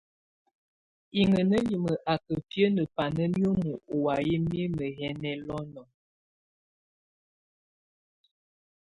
Iŋenelime a ka biəne bana niomo ɔwayɛ mime yɛ nɛlɔnɔ.